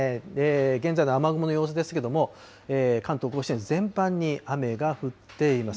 現在の雨雲の様子ですけども、関東甲信越全般に雨が降っています。